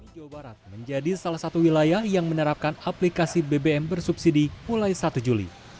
jawa barat menjadi salah satu wilayah yang menerapkan aplikasi bbm bersubsidi mulai satu juli